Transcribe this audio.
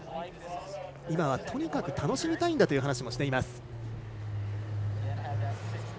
今はとにかく楽しみたいんだという話をしています。